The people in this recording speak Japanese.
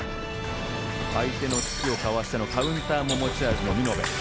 相手の突きをかわしてのカウンターも持ち味の見延。